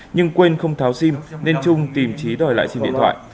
nhưng quên không tháo sim nên trung tìm trí đòi lại xin điện thoại